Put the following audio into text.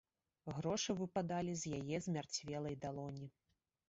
Грошы выпадалі з яе змярцвелай далоні.